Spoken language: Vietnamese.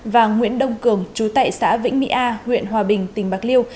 và nguyễn đông cường chú tại xã vĩnh mỹ a huyện hòa bình tỉnh bạc liêu